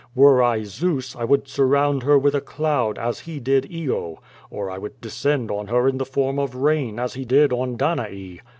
Were I Zeus, I would surround her with a cloud, as he did lo, or I would descend on her in the form of rain, as he did on Danae.